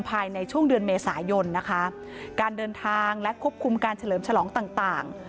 ภายในช่วงเดือนเมษายนนะคะการเดินทางและควบคุมการเฉลิมฉลองต่างต่าง